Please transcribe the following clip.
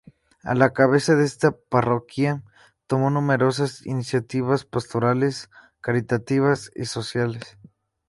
A la cabeza de esta parroquia tomó numerosas iniciativas pastorales, caritativas y sociales.